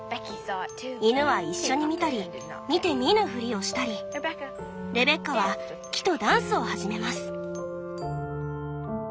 犬は一緒に見たり見て見ぬふりをしたりレベッカは木とダンスを始めます」。